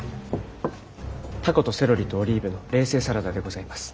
タコとセロリとオリーブの冷製サラダでございます。